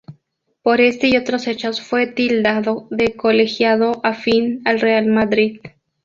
Por este y otros hechos, fue tildado de colegiado afín al Real Madrid.